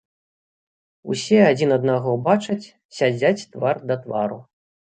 Усе адзін аднаго бачаць, сядзяць твар да твару.